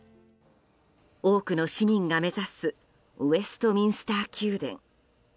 多くの市民が目指すウェストミンスター宮殿。